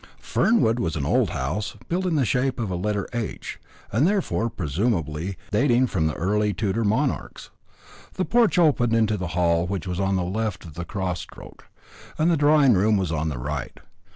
Fernwood was an old house, built in the shape of the letter H, and therefore, presumably, dating from the time of the early Tudor monarchs. The porch opened into the hall which was on the left of the cross stroke, and the drawing room was on the right.